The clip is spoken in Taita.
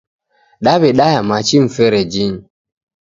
Daw'edaya machi mferejinyi